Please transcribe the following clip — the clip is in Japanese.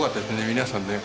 皆さんね。